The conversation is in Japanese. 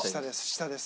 下です。